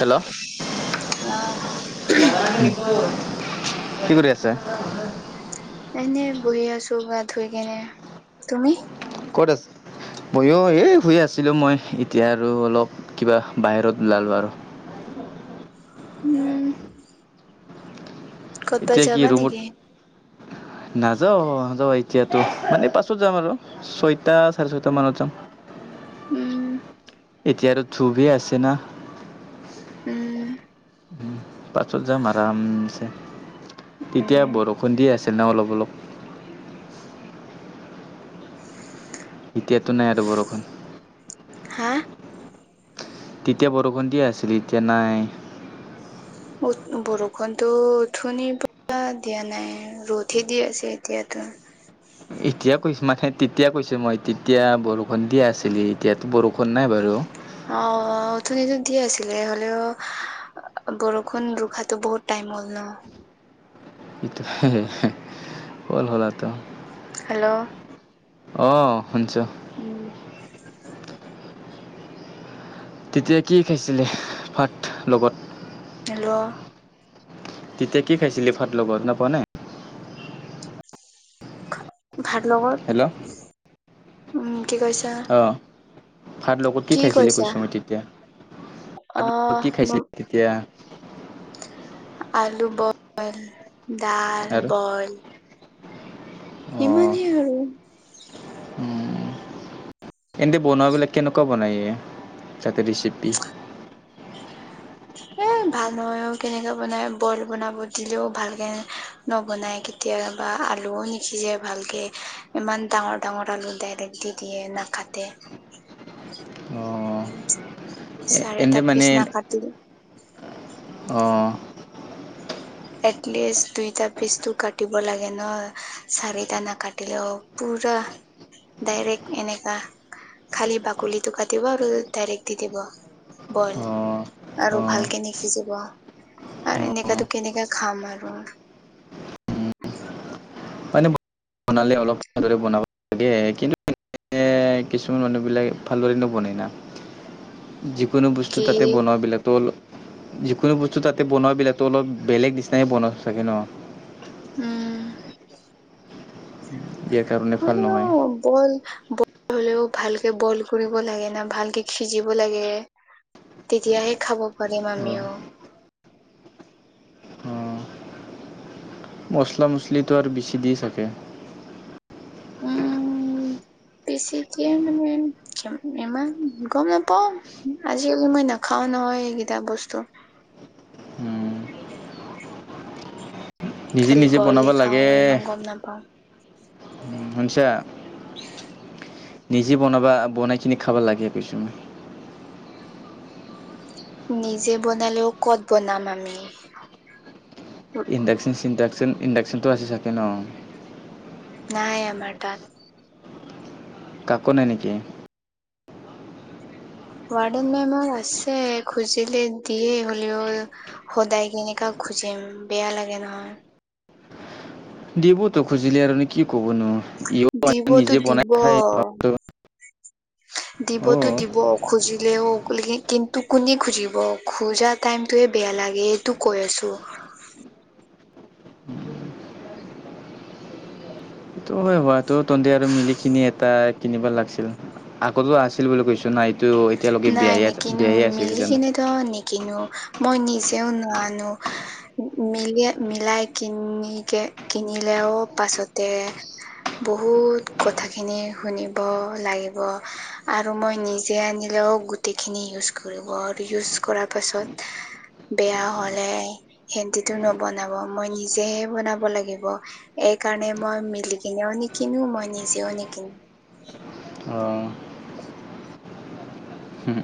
Hello হা কি কৰি আছা? এনেই বহি আছো গা ধুই কেনে, তুমি? ক'ত আছে? মইও এই শুই আছিলোঁ মই এতিয়া আৰু অলপ কিবা বাহিৰত ওলালোঁ আৰু উম ক'তবাত এতিয়া কি যাবা ৰুমত নেকি নাযাও নাযাও এতিয়াতো মানে পাছত যাম আৰু। ছয়টা চাৰে ছয়টা মানত যাম। উম এতিয়া আৰু ধুৱেই আছে না। উম উম পাছত যাম আৰামছে, তেতিয়া উম বৰষুণ দি আছে ন অলপ অলপ। [inaudible] এতিয়াতো নাই আৰু বৰষুণ। হা তেতিয়া বৰষুণ দি আছিল, এতিয়া নাই। কত বৰষুণটো উথুনি পৰা দিয়া নাই। ৰদহে দি আছে এতিয়াতো। এতিয়া কৈছো মানে তেতিয়া কৈছো মই তেতিয়া বৰষুণ দিয়া আছিলি এতিয়াতো বৰষুণ নাই বাৰু। অ অথনিটো দি আছিলে হলেও বৰষুণ ৰোখাতো বহুত টাইম হ'ল ন এ হে হে হ'ল হোৱাতো হেল্ল অহ শুনছো উম তেতিয়া কি খাইছিলে ভাত লগত হেল্ল তেতিয়া কি খাইছিলি ভাতৰ লগত শুনা পোৱা নাই ভাত লগত হেল্ল' উম কি কৈছা অ ভাত লগত কি খাইছিলি কৈছোঁ মই তেতিয়া অ কি খাইছিলি মোক তেতিয়া আলু বইল ডাইল আৰু বইল ইমানহে আৰু উম তেন্তে বনোৱা বিলাক কেনেকুৱা বনায়ে তাতে ৰেচিপি এ ভাল নহয়ও কেনেকে বনাই বইল বনাব দিলেও ভাল কে নবনায় কেতিয়াবা আলুও নিসিজে ভালকে ইমান ডাঙৰ ডাঙৰ আলু ডাইৰেক্ট দি দিয়ে নাকাটে অঁ এনে চাৰিটা পিছ মানে নাকাটে অ এটলিষ্ট দুইটা পিচটো কাটিব লাগে ন চাৰিটা নাকাটিলেও পুৰা ডাইৰেক্ট এনেকা খালি বাকলিতো কাটিব আৰু ডাইৰেক্ট দি দিব বইল অঁ আৰু অঁ ভালকে নিহিজিব আৰু অঁ এনেকাতো কেনে খাম আৰু মানে বনালে অলপ ভালদৰে বনাব লাগে কিন্তু এ কিছুমান মানুহবিলাক ভালদৰে নবনাই না যিকোনো বস্তু কি তাতে বনোৱা বিলাকতোল যিকোনো বস্তু তাতে বনোৱা বিলাকতো অলপ বেলেগ নিচিনাইে বনোৱা থাকে ন উম [unintelligible] হলেও নহয় বইল ব বইল হ'লেও ভালকে বইল কৰিব লাগে না ভালকে সিজিব লাগে। তেতিয়াহে খাব পাৰিম অঁ আমিও। অঁ মছলা মছলিটো আৰু বেছি দি থাকে। [unintelligible] বেছি দিয়ে মানে ইমান গম নাপাওঁ। আজিকালি মই নাখাও নহয় সেইকেইটা বস্তু। উম, নিজে খালি নিজে বনাব বইলে খাওঁ লাগে ইমান গম নাপাওঁ শুনচা [unintelligible] নিজে বনাবা বনাইকিনি খাব লাগে কৈছো নিজে বনালেও কত বনাম আমি ইণ্ডাকচন চিণ্ডাকচন ইণ্ডাকচনটো আছে চাগে ন। নাই আমাৰ তাত কাকো নাই নেকি? ৱাদেনমেমৰ আছে খুজিলে দিয়ে হ'লেও, সদায় কেনেকা খোজিম বেয়া লাগে নহয়। দিৱতো খুজিলে আৰু কি ক'বনো ই দিবতো নিজে দিব বনাই খাই [inaudible] দিবতো দিব খুজিলেও কিন্তু, কোনে খুজিব খোজাত টাইমটোয়ে বেয়া লাগে এইটো কৈ আছো। সেইটো হয় হোৱাটো তহতে আৰু মিলি খিনি এটা কিনিব লাগিছিল। আগতো আছিল বুলি কৈছো নাই। তো এতিয়ালৈকে বিয়াই বিয়াই আছে বুজানে। ত'নিকিনো, মই নিজেও নানো। মিলে মিলাই কিনে কিনিলেও পাছতে। বহুত কথাখিনি শুনিব লাগিব আৰু মই নিজে আনি ও গোটেইখিনি ইউজ কৰিব আৰু ইউজ কৰাৰ পাছত বেয়া হ'লে, সেতেটো নবনাব, মই নিজেহে বনাব লাগিব। এইকাৰণে মই মিলিকিনেও নিকিনো মই নিজেও নিকিনো। অহ। [inaudible] উম।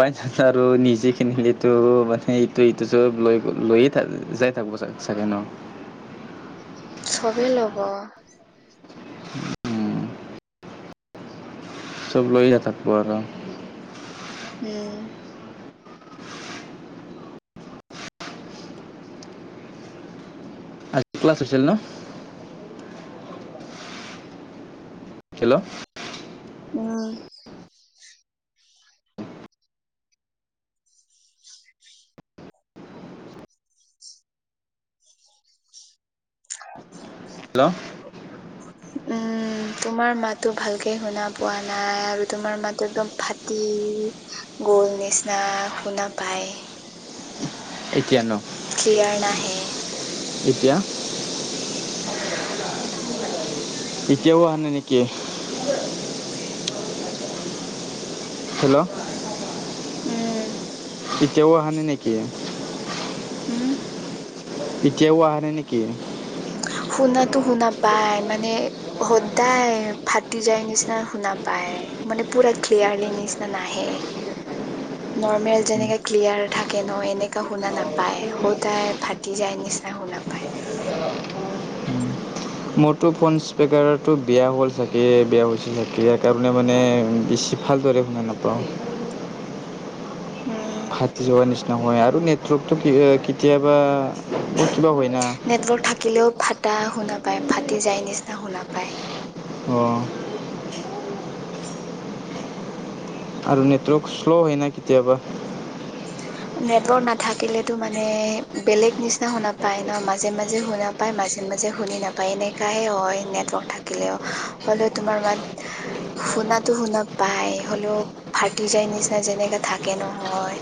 বাইচ আৰু নিজে কিনিলো মানে ইটো ইটো চব লৈ লৈয়ে থাক যায়। থাকিব চাগে ন? চবেই ল'ব। [inaudible] চব লৈ থাকিব আৰু। উম। আজি ক্লাছ হৈছিল ন? হেল্লো' উম। হয়। হেল্লো' উম, তোমাৰ মাতটো ভালকে শুনা পোৱা নাই, আৰু তোমাৰ মাতটো একদম ফাটি টি গ'ল নিচিনা শুনা পায়। এতিয়া নো ক্লিয়াৰ নাহে। এতিয়া? এতিয়াও অহা নাই নেকি? হেল্লো' উম এতিয়াও অহা নাই নেকি? কি? হা এতিয়াও অহা নাই নেকি? শুনাতো শুনা পায় মানে সদায় ফাটি যায় নিচিনা শুনা পায়। মানে পুৰা ক্লিয়াৰলি নিচিনা নাহে। [inaudible] নৰ্মেল যেনেকে ক্লিয়াৰ থাকে ন এনেকা শুনা নাপায় সদায় ফাটি যায় নিচিনা শুনা পায় [unintelligible] [inaudible] মোৰতো ফোন স্পেকাৰটো বেয়া হ'ল চাগে বেয়া হৈছে চাকে ইয়াৰ কাৰণে মানে বেছি ভালদৰে শুনা নাপাওঁ। উম কাটি যোৱাৰ নিচিনা হয় আৰু নেটৱৰ্কটো কেতিয়াবা কিবা হয় না নেটৱৰ্ক থাকিলেও ফটা শুনা পায় ফাটি যায় নিচিনা শুনা পায়। অঁ আৰু নেটৱৰ্ক শ্ল' হয় নাই কেতিয়াবা। নেটৱৰ্ক নাথাকিলেতো মানে বেলেগ নিচিনা শুনা পায় ন মাজে মাজে শুনা পায় মাজে মাজে শুনি নাপায় এনেকাহে হয় নেটৱৰ্ক থাকিলেও হ'লেও তোমাৰ মাত [unintelligible] শুনাতো শুনা পাই হলেও ফাটি যায় নিচিনা যেনেকা থাকে নহয়।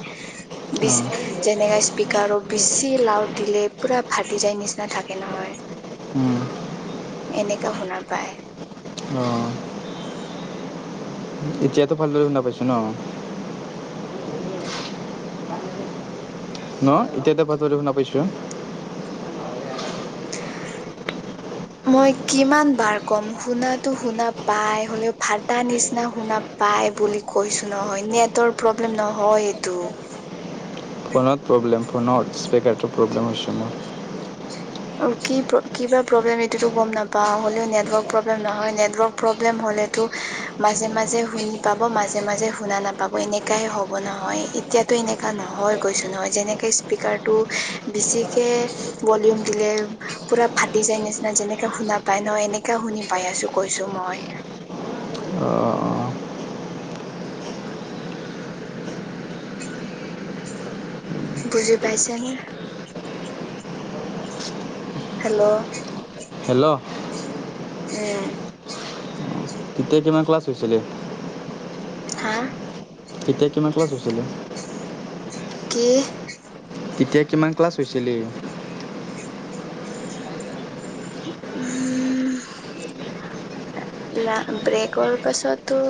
বিছ অঁ যেনেকা স্পীকাৰৰ বেছি লাউড দিলে পুৰা ফাটি যায় নিচিনা থাকে নহয়। উম এনেকা শুনা পায়। অ এতিয়াতো ভালদৰে শুনা পাইছো ন? ন এতিয়াটো ভালদৰে শুনা পাইছো? মই কিমান বাৰ ক'ম শুনাতো শুনা পাই হলেও ফাটা নিচিনা শুনা পাই বুলি কৈছো নহয় নেটৱৰ্ক প্ৰব্লেম নহয় সেইটো। ফোনত প্ৰব্লেম ফোনত স্পীকাৰটো প্ৰব্লেম হৈছে মোৰ। অ কি কিবা প্ৰব্লেম এইটোটো গম নাপাওঁ হ'লেও নেটৱৰ্ক প্ৰব্লেম নহয় নেটৱৰ্ক প্ৰব্লেম হ'লে টো মাজে মাজে শুনি পাব মাজে মাজে শুনা নাপাব এনেকাই হ'ব নহয় এতিয়াতো এনেকুৱা নহয় কৈছোঁ নহয় যেনেকৈ স্পীকাৰটো বেছিকৈ ভলিউম দিলে পুৰা ফাটি যায় নিচিনা যেনেকা শুনা পাই নহ এনেকা শুনি পাই আছো কৈছো মই। অ বুজি পাইছেনে? হেল্ল' হেল্ল' উম তেতিয়া কিমান ক্লাছ হৈছিলে? হা? তেতিয়া কিমান ক্লাছ হৈছিলে? কি? তেতিয়া কিমান ক্লাছ হৈছিলি? উম লা ব্ৰেকৰ পাছতো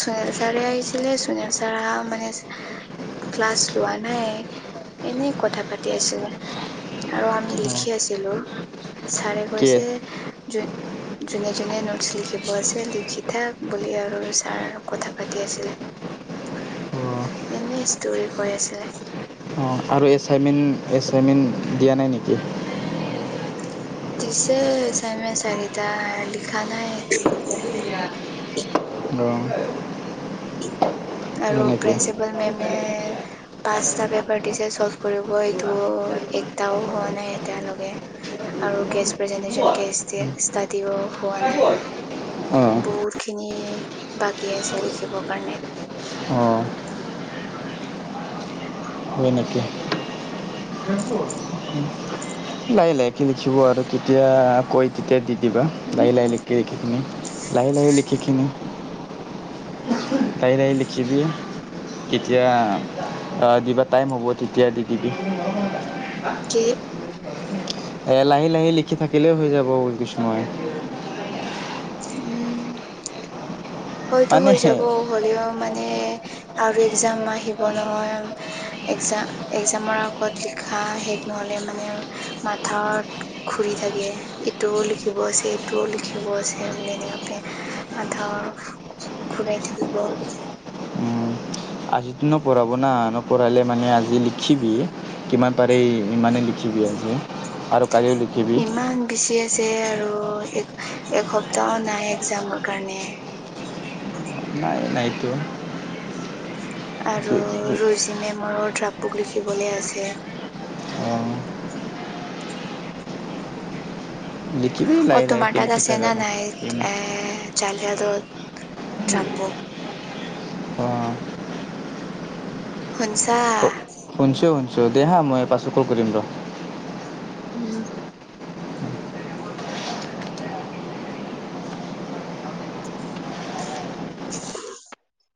সুনীল চাৰে আহিছিলে সুনীল চাৰ আহা মানে ক্লাছ লোৱা নাই, এনে কথা পাতি আছিলে। আৰু আমি অঁ লিখি আছিলো চাৰে কি কৈছে য যোনে যোনে নো লিখিব আছে লিখি থাক বুলি আৰু ছাৰ কথা পাতি আছিলে। অঁ এনে ষ্টৰি কৈ আছিলে। আৰু এছাইনমেণ্ট- এছাইনমেণ্ট দিয়া নাই নেকি? দিছে এছাইনমেণ্ট চাৰিটা লিখা নাই। অঁ। আৰু সেনেকে। প্ৰিন্সিপাল মেমে। পাঁচটা পেপাৰ দিছে চল্ভ কৰিব এইটো, একটাও হোৱা নাই এতিয়ালগে। আৰু গেষ্ট প্ৰেজেন্টেচন গেষ্ট ষ্টডিও হোৱা নাই। অঁ বহুত খিনি বাকী আছে লিখিবৰ কাৰণে। অঁ। [unintelligible] হয় নেকি? লাহে লাহকৈ লিখিব আৰু তেতিয়া কৈ তেতিয়া দি দিবা, লাহে লাহে লিখিখিনি। লাহে লাহে লিখিকিনি লাহে লাহে লাহ লিখিবি। কেতিয়া দিবা টাইম হ'ব তেতিয়া দি দিবি। কি? এ' লাহে লাহে লিখি থাকিলে হৈ যাব বুলি কৈছোঁ মই। উম। হয়তো হৈ মানে যাব, হ'লেও মানে। আৰু একজম আহিব নহয়, একজাম একজামৰ আগত লিখা আহে। নহ'লে মানে মাথাত ঘূৰি থাকে, এইটোও লিখিব আছে। লিখিব আছে বুলি, এনেকা মাতত ঘূৰাই থাকিব। আজিতো নপঢ়াব না, নপঢ়লে মানে আজি লিখিবি। কিমান পাৰে ইমানে লিখিব আজি আৰু কলিও লিখি। ইমান বেছি আছে আৰু এক এসপ্তাহ নাই একজামৰ কাৰণে। নাই নাইটো। আৰু ৰুজি মেমৰো ড্ৰফবুক লিখিবলৈ আছে। অঁ লিখিবি অ লাহে তোমাৰ লাহেকে তাত লিখি আছে থাক না আৰু নাই, এ' জালিয়ালত। অঁ। শুনিছা? শুনিছো শুনিছোঁ দিয়া হা মই পাছত কল কৰিম দিয়া। উম। [unintelligible]